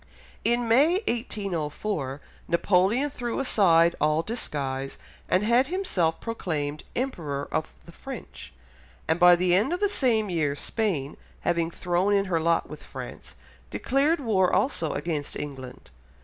In May 1804, Napoleon threw aside all disguise, and had himself proclaimed Emperor of the French, and by the end of the same year Spain, having thrown in her lot with France, declared war also against England.